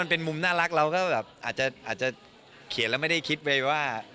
มันเป็นมุมน่ารักเราก็อาจจะเขียนแล้วไม่ได้คิดไว้ว่า